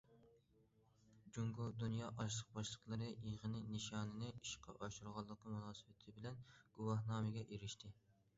جۇڭگو دۇنيا ئاشلىق باشلىقلىرى يىغىنى نىشانىنى ئىشقا ئاشۇرغانلىقى مۇناسىۋىتى بىلەن گۇۋاھنامىگە ئېرىشتى.